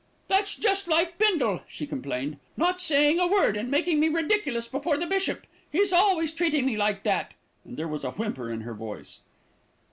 "That's just like Bindle," she complained, "not saying a word, and making me ridiculous before the bishop. He's always treating me like that," and there was a whimper in her voice.